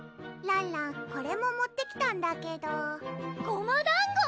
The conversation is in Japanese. らんらんこれも持ってきたんだけどごまだんご？